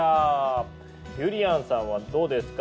ゆりやんさんはどうですか？